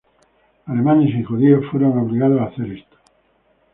Alemanes y judíos fueron obligados a hacer esto.